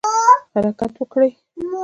حرکت وکړئ